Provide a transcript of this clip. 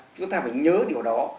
chúng ta phải nhớ điều đó